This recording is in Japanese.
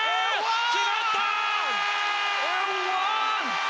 決まった！